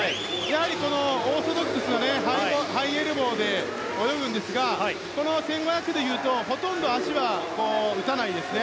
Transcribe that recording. オーソドックスなハイエルボーで泳ぐんですがこの１５００ｍでいうとほとんど脚は打たないですね。